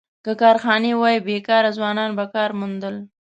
که کارخانې وای، بېکاره ځوانان به کار موندل.